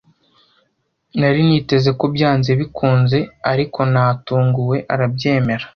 Nari niteze ko byanze bikunze, ariko natunguwe arabyemera.